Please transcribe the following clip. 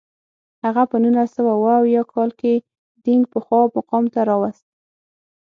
هغه په نولس سوه اووه اویا کال کې دینګ پخوا مقام ته راوست.